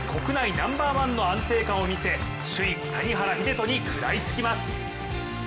ナンバーワンの安定感を見せ、首位・谷原秀人に食らいつきます。